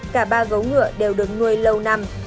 cả ba gấu ngựa đều được nuôi lâu năm